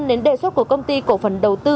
đến đề xuất của công ty cổ phần đầu tư